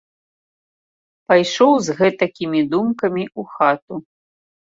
Пайшоў з гэтакімі думкамі ў хату.